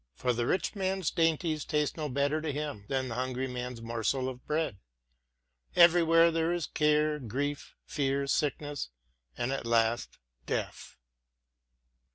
For the rich man's dainties taste no better to him than the hungry man's morsel of bread. Everywhere there is care, grief, fear, sickness, and, at last, death.